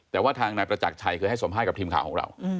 แต่ว่าทางนายประจักรชัยเคยให้สัมภาษณ์กับทีมข่าวของเรา